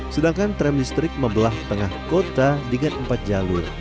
sedangkan tram listrik membelah tengah kota dengan empat jalur